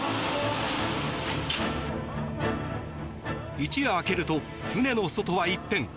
一夜明けると船の外は一変。